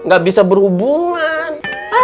gak bisa berhubungan